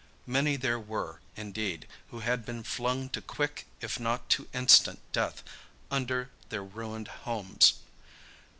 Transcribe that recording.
Many there were, indeed, who had been flung to quick if not to instant death under their ruined homes.